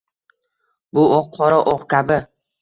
Bu o'q, qora o'q kabi